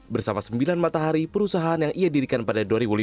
bersama sembilan matahari perusahaan yang ia dirikan pada dua ribu lima